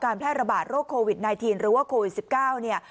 การแพร่ระบาดโรคโควิดไนทีนหรือว่าโควิดสิบเก้าเนี้ย